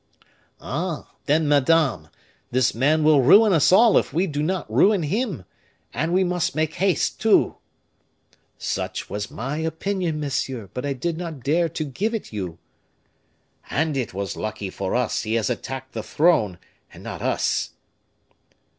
"Ah! then, madame, this man will ruin us all if we do not ruin him; and we must make haste, too." "Such was my opinion, monsieur, but I did not dare to give it you." "And it was lucky for us he has attacked the throne, and not us."